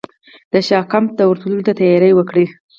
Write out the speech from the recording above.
د شاه کمپ ته ورتللو ته تیاري وکړي.